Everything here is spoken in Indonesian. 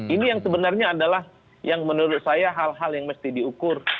ini yang sebenarnya adalah yang menurut saya hal hal yang mesti diukur